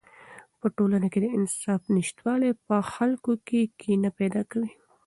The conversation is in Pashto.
په ټولنه کې د انصاف نشتوالی په خلکو کې کینه پیدا کوي.